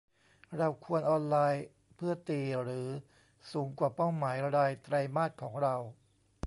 เราควรออนไลน์เพื่อตีหรือสูงกว่าเป้าหมายรายไตรมาสของเรา